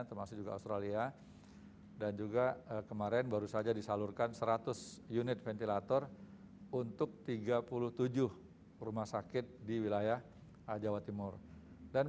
tempat tidur di rumah sakit covid jakarta